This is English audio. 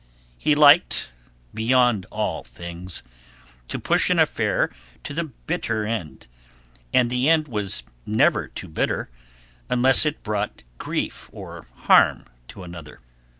He liked, beyond all things, to push an affair to the bitter end, and the end was never too bitter unless it brought grief or harm to another.